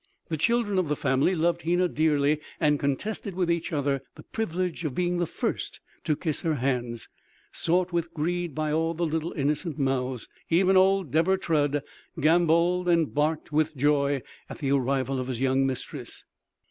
The children of the family loved Hena dearly and contested with each other the privilege of being the first to kiss her hands sought with greed by all the little innocent mouths. Even old Deber Trud gamboled and barked with joy at the arrival of his young mistress.